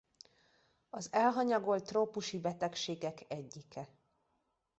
Az elhanyagolt trópusi betegségek egyike.